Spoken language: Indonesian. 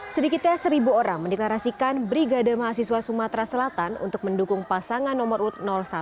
sedikitnya seribu orang mendeklarasikan brigade mahasiswa sumatera selatan untuk mendukung pasangan nomor urut satu